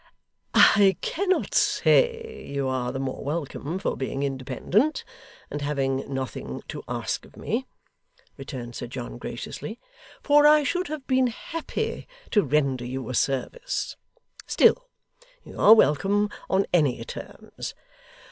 'I cannot say you are the more welcome for being independent, and having nothing to ask of me,' returned Sir John, graciously, 'for I should have been happy to render you a service; still, you are welcome on any terms.